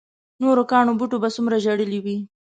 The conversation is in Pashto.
نورو کاڼو بوټو به څومره ژړلي وي.